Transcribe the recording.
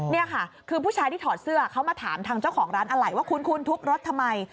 นี่ค่ะคือผู้ชายที่ถอดเสื้อเขามาถามทางเจ้าของร้านอะไรว่าคุณทุบรถทำไม